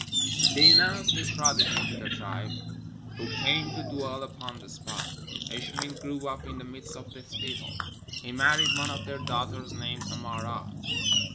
They announced this prodigy to their tribe, who came to dwell upon the spot. Ishmael grew up in the midst of this people ; he married one of their daughters, named Amara.